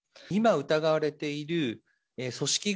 今疑われている組織